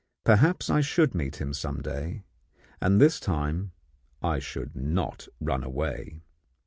Perhaps I should meet him some day, and this time I should not run away.